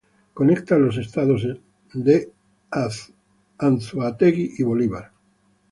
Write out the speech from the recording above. Conecta los estados Estado Anzoátegui y Bolívar.